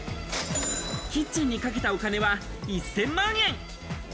キッチンにかけたお金は１０００万円。